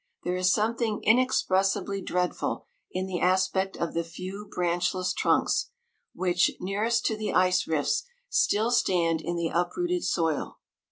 There is something inex* pressibly dreadful in the aspect of the few branchless trunks, which, nearest to the ice rifts, still stand in the up rooted soil.